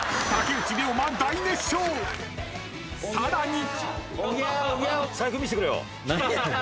［さらに］